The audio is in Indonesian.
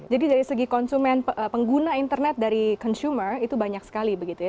jadi dari segi konsumen pengguna internet dari consumer itu banyak sekali begitu ya